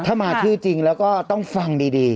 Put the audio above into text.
ถ้ามาชื่อจริงแล้วก็ต้องฟังดี